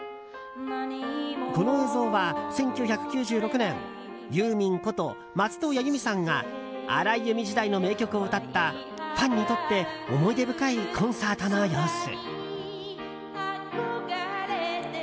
この映像は１９９６年ユーミンこと松任谷由実さんが荒井由実時代の名曲を歌ったファンにとって思い出深いコンサートの様子。